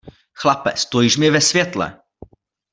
Chlape, stojíš mi ve světle!